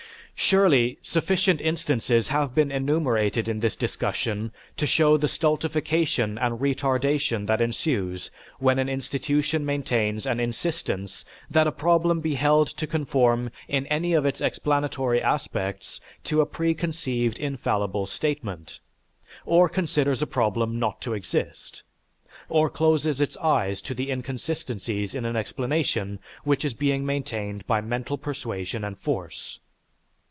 Surely, sufficient instances have been enumerated in this discussion to show the stultification and retardation that ensues when an institution maintains an insistence that a problem be held to conform in any of its explanatory aspects to a preconceived infallible statement, or considers a problem not to exist, or closes its eyes to the inconsistencies in an explanation which is being maintained by mental persuasion and force.